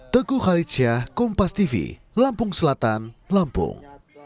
teguh haritsyah kompas tv lampung selatan lampung